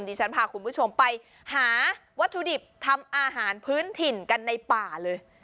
ดิฉันพาคุณผู้ชมไปหาวัตถุดิบทำอาหารพื้นถิ่นกันในป่าเลย